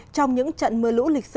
trong những trận mưa lũ lịch sử